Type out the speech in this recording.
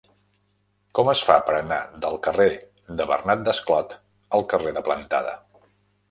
Com es fa per anar del carrer de Bernat Desclot al carrer de Plantada?